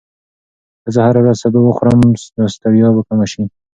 که زه هره ورځ سبو وخورم، نو ستړیا به کمه شي.